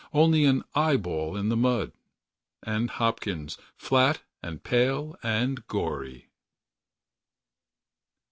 Only, an eyeball in the mud. And Hopkins, Flat and pale and gory!